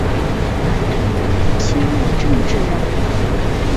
清末政治人物。